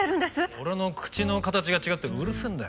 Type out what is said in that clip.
俺の口の形が違うってうるせえんだよ。